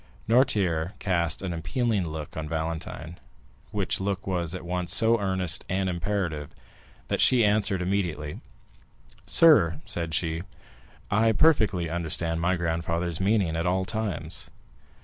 Noirtier cast an appealing look on Valentine, which look was at once so earnest and imperative, that she answered immediately. "Sir," said she, "I perfectly understand my grandfather's meaning at all times."